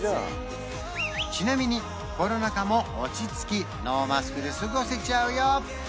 ちなみにコロナ禍も落ち着きノーマスクで過ごせちゃうよ